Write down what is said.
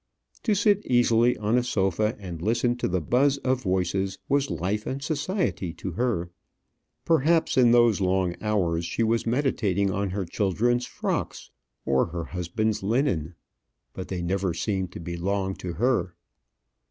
To sit easily on a sofa and listen to the buzz of voices was life and society to her. Perhaps in those long hours she was meditating on her children's frocks or her husband's linen. But they never seemed to be long to her.